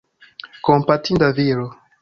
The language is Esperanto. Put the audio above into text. Kompatinda viro.